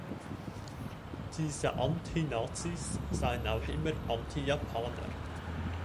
Diese „Anti-Nazis“ seien auch immer „Anti-Japaner“.